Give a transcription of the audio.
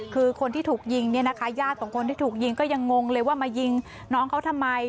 คือคนที่ถูกยิงเนี่ยนะคะญาติของคนที่ถูกยิงก็ยังงงเลยว่ามายิงน้องเขาทำไม